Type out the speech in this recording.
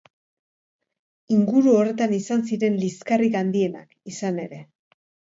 Inguru horretan izan ziren liskarrik handienak, izan ere.